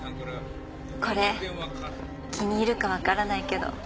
これ気に入るかわからないけど。